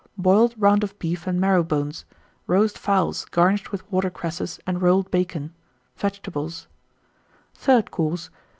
Boiled Round of Beef and Marrow bones. Roast Fowls, garnished with Water cresses and rolled Bacon. Vegetables. THIRD COURSE.